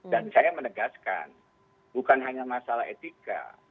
dan saya menegaskan bukan hanya masalah etika